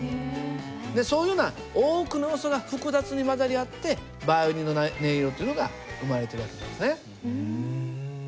でそういうような多くの要素が複雑に混ざり合ってバイオリンの音色というのが生まれてる訳なんですね。